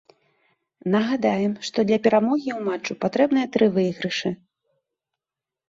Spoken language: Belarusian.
Нагадаем, што для перамогі ў матчы патрэбныя тры выйгрышы.